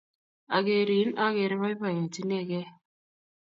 Akerin akere poipoiyet inekey.